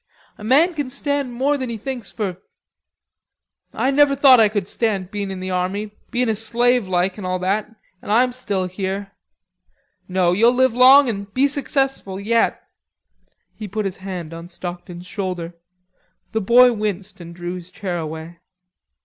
A man can stand more than he thinks for.... I never thought I could stand being in the army, bein' a slave like an' all that, an' I'm still here. No, you'll live long and be successful yet." He put his hand on Stockton's shoulder. The boy winced and drew his chair away.